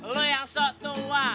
lo yang sok tua